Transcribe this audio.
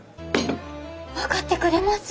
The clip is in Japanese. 分かってくれます？